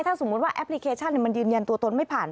ถ้าสมมุติว่าแอปพลิเคชันมันยืนยันตัวตนไม่ผ่าน